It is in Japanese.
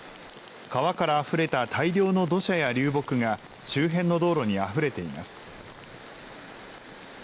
川からあふれた大量の土砂や流木が周辺の道路にあふれています。